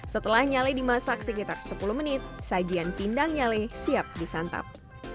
setelah nyale dimasak sekitar sepuluh menit sajian pindang nyale siap disantap